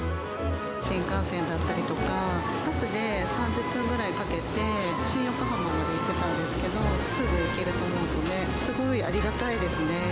新幹線だったりとか、バスで３０分ぐらいかけて新横浜まで行ってたんですけど、すぐ行けると思うので、すごいありがたいですね。